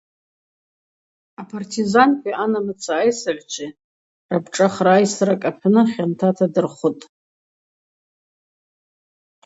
Апартизанкви анамыца айсыгӏвчви рапшӏахра айсракӏ апны хьантата дырхвытӏ.